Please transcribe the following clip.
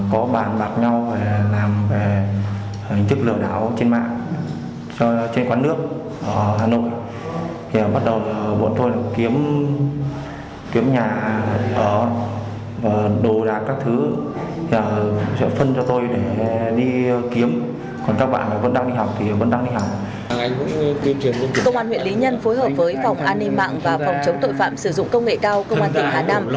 công an huyện lý nhân phối hợp với phòng an ninh mạng và phòng chống tội phạm sử dụng công nghệ cao công an tỉnh hà đam